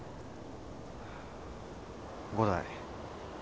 伍代。